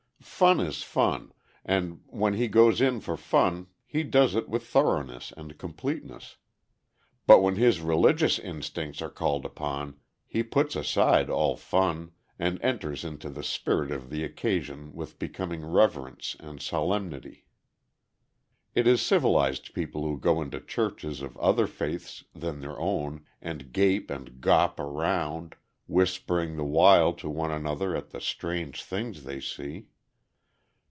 Fun is fun, and when he goes in for fun he does it with thoroughness and completeness; but when his religious instincts are called upon, he puts aside all fun, and enters into the spirit of the occasion with becoming reverence and solemnity. It is civilized people who go into churches of other faiths than their own and gape and "gawp" around, whispering the while to one another at the strange things they see.